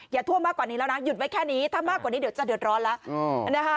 ท่วมมากกว่านี้แล้วนะหยุดไว้แค่นี้ถ้ามากกว่านี้เดี๋ยวจะเดือดร้อนแล้วนะคะ